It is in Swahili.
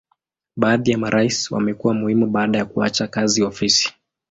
Baadhi ya marais wamekuwa muhimu baada ya kuacha kazi ofisi.